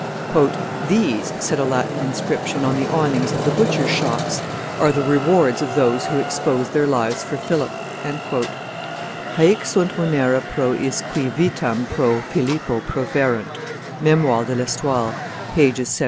"These," said a Latin inscription on the awnings of the butchers' shops, "are the rewards of those who expose their lives for Philip" [Haec sunt munera pro iis qui vitam pro Philippo proferunt: Memoires de L'Estoile, t.